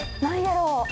何やろう？